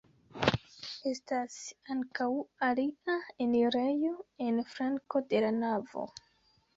Estas ankaŭ alia enirejo en flanko de la navo.